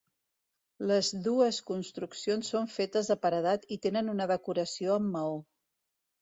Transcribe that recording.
Les dues construccions són fetes de paredat i tenen una decoració amb maó.